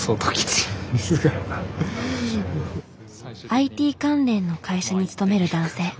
ＩＴ関連の会社に勤める男性。